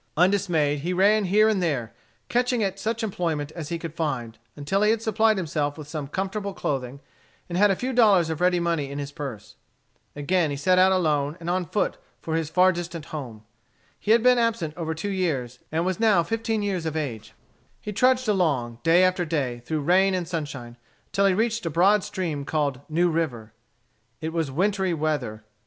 Undismayed he ran here and there, catching at such employment as he could find, until he had supplied himself with some comfortable clothing, and had a few dollars of ready money in his purse. Again he set out alone and on foot for his far distant home. He had been absent over two years, and was new fifteen years of age. He trudged along, day after day, through rain and sunshine, until he reached a broad stream called New River. It was wintry weather.